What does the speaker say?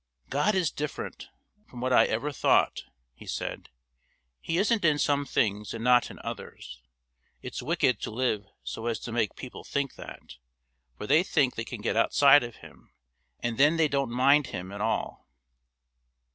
"God is different from what I ever thought," he said; "He isn't in some things and not in others; it's wicked to live so as to make people think that, for they think they can get outside of Him, and then they don't mind Him at all."